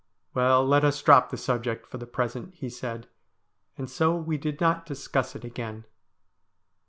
' Well, let us drop the subject for the present,' he said ; and so we did not discuss it again.